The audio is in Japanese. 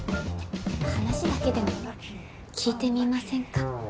話だけでも聞いてみませんか？